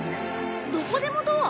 どこでもドア？